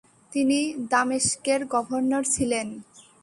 তিনি দামেস্কের গভর্নর ছিলেন।